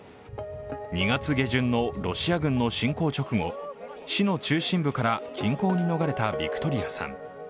２月下旬のロシア軍の侵攻直後市の中心部から近郊に逃れたビクトリアさん。